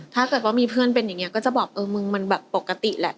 ถ้าเกิดว่ามีเพื่อนเป็นอย่างนี้ก็จะบอกเออมึงมันแบบปกติแหละ